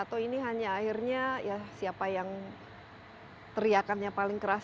atau ini hanya akhirnya ya siapa yang teriakannya paling keras